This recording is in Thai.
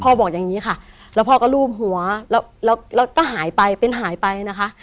บอกอย่างนี้ค่ะแล้วพ่อก็ลูบหัวแล้วก็หายไปเป็นหายไปนะคะ